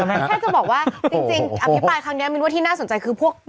ถ้าจะบอกว่าจริงอภิปรายครั้งนี้มินว่าที่น่าสนใจคือพวก